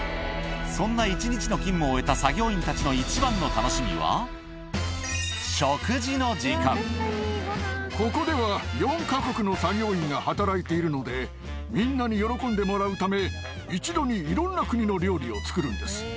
そんな一日の勤務を終えた作業員たちの一番の楽しみは、食事の時ここでは４か国の作業員が働いているので、みんなに喜んでもらうため、一度にいろんな国の料理を作るんです。